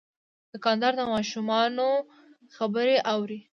دوکاندار د ماشومانو خبرې اوري.